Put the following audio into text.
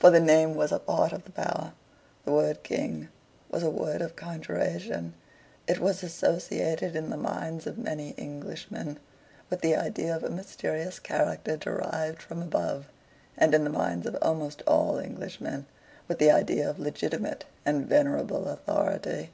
For the name was a part of the power. The word King was a word of conjuration. It was associated in the minds of many Englishmen with the idea of a mysterious character derived from above, and in the minds of almost all Englishmen with the idea of legitimate and venerable authority.